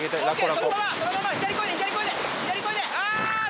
そのままそのまま左漕いで左漕いで左漕いであーっ！